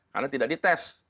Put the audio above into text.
karena tidak dites